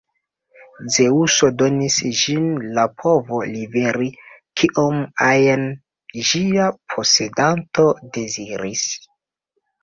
Zeŭso donis ĝin la povo liveri kiom ajn ĝia posedanto deziris.